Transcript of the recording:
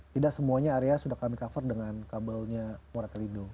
tidak semuanya area sudah kami cover dengan kabelnya moratelindo